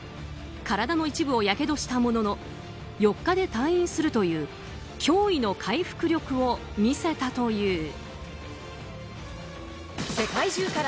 体の一部を火傷したものの４日で退院するという驚異の回復力を見せたという。